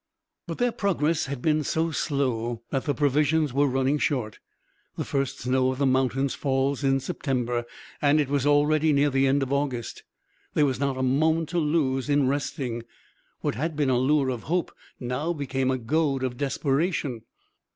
But their progress had been so slow that the provisions were running short. The first snow of the mountains falls in September, and it was already near the end of August. There was not a moment to lose in resting. What had been a lure of hope now became a goad of desperation.